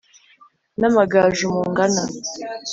n’amagaju mungana